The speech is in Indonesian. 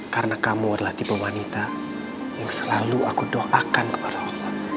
karena kamu adalah tipe wanita yang selalu aku doakan kepada allah